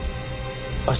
明日